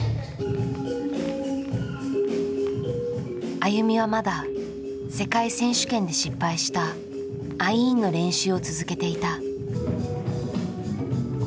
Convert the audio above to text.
ＡＹＵＭＩはまだ世界選手権で失敗したアイーンの練習を続けていた。